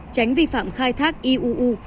tránh vi phạm khai thác iuu